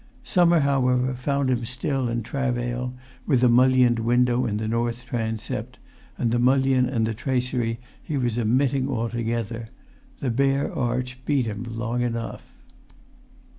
Summer, however, found him still in travail with the mullioned window in the north transept; and the mullion and the tracery he was omitting altogether; the bare arch beat him long enough.